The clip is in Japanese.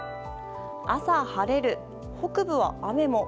朝晴れる、北部は雨も。